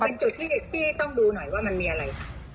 เป็นจุดที่พี่ต้องดูหน่อยว่ามันมีอะไร